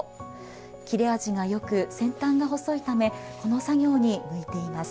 切れ味がよく先端が細いためこの作業に向いています。